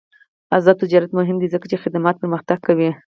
آزاد تجارت مهم دی ځکه چې خدمات پرمختګ کوي.